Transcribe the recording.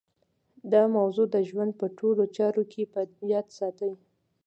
دا موضوع د ژوند په ټولو چارو کې په ياد ساتئ.